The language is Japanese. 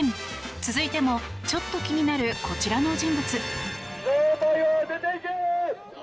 続いてもちょっと気になるこちらの人物。